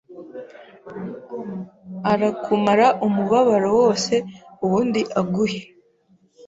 arakumara umubabaro wose ubundi aguhe